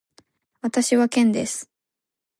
私はケンです。